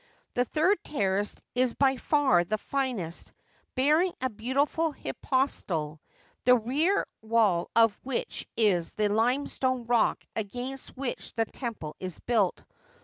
The third terrace is by far the finest, bearing a beautiful hypostile, the rear wall of which is the limestone rock against which the temple is built.